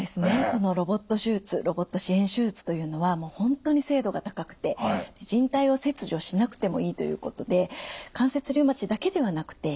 このロボット支援手術というのは本当に精度が高くて靱帯を切除しなくてもいいということで関節リウマチだけではなくて変形性関節症